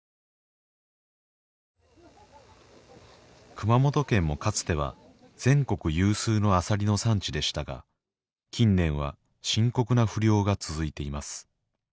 熊本県もかつては全国有数のアサリの産地でしたが近年は深刻な不漁が続いています